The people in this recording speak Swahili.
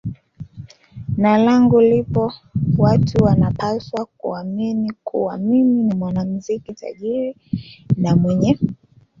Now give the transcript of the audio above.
na langu lipo Watu wanapaswa kuamini kuwa mimi ni mwanamuziki tajiri na mwenye